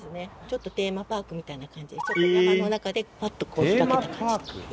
ちょっとテーマパークみたいな感じでちょっと山の中でパッとこう開けた感じ。